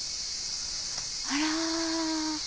あら。